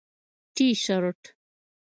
👕 تیشرت